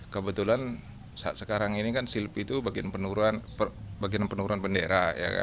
kebetulan saat sekarang ini kan silpi itu bagian penurunan bendera